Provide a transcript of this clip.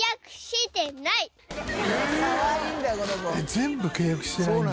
全部契約してないんだ！？